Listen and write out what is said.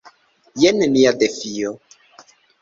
Jen nia defio.